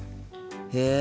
へえ。